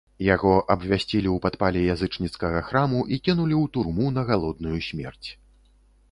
Яго абвясцілі ў падпале язычніцкага храму і кінулі ў турму на галодную смерць.